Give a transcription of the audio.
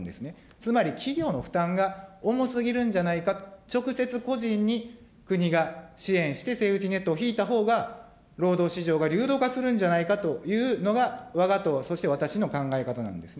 つまり企業の負担が重すぎるんじゃないか、直接個人に国が支援して、セーフティネットをひいたほうが、労働市場が流動化するんじゃないかというのが、わが党、そして私の考え方なんですね。